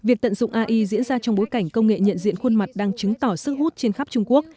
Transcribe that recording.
việc tận dụng ai diễn ra trong bối cảnh công nghệ nhận diện khuôn mặt đang chứng tỏ sức hút trên khắp trung quốc